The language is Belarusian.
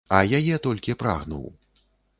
А яе толькі прагнуў.